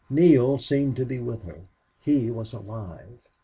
Neale seemed to be with her. He was alive.